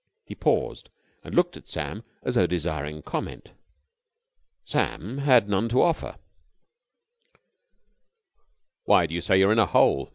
He paused, and looked at Sam as though desiring comment. Sam had none to offer. "Why do you say you're in a hole?"